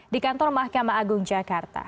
di kantor mahkamah agung jakarta